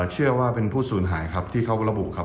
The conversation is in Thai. เชื่อว่าเป็นผู้สูญหายครับที่เขาระบุครับ